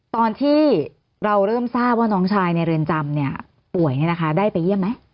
ตอนที่เราเริ่มทราบว่าน้องชายในเรือนจำป่วยได้ไปเยี่ยมไหม